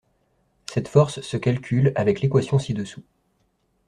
Cette force ce calcule avec l’équation ci-dessous.